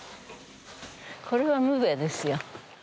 これはむべですよ。